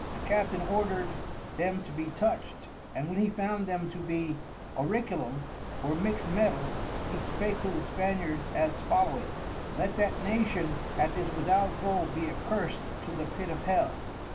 The Captain ordered them to be toucht, and when he found them to be Orichalcum or mixt Metal, he spake to the Spaniards as followeth. Let that Nation that is without Gold be accursed to the Pit of Hell.